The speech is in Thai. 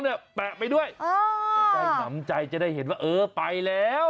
ให้หลัมใจจะได้เห็นว่าเออไปแล้ว